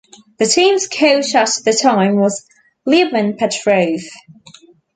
The team's coach at that time was Lyuben Petrov.